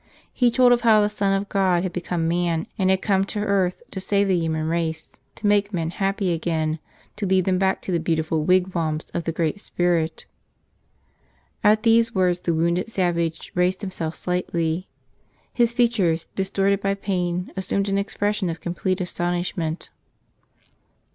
He told of how the Son of God had become man and had come to earth to save the human race, to make men happy again, to lead them back to the beautiful wigwams of the Great Spirit. At these words the wounded sav¬ age raised himself slightly. His features, distorted by pain, assumed an expression of complete astonishment.